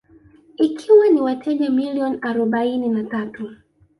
Ikiwa na wateja milioni arobaini na tatu